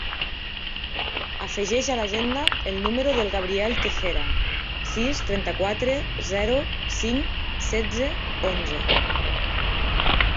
Afegeix a l'agenda el número del Gabriel Tejera: sis, trenta-quatre, zero, cinc, setze, onze.